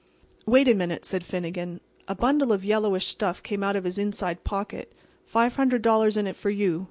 "Wait a minute," said Finnegan. A bundle of yellowish stuff came out of his inside pocket. "Five hundred dollars in it for you.